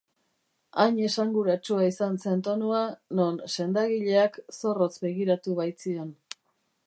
Hain esanguratsua izan zen tonua, non sendagileak zorrotz begiratu baitzion.